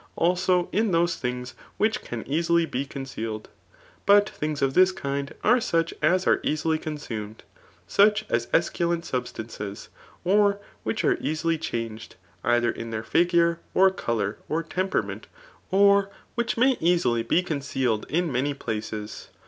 Also in those things which can easily be concealed. But things of this kind are such as are easily consumed, such fs esculent substances; or which are easily changed, either in their figure, or colour, or temperament ; oc which may easily be conceded in many places.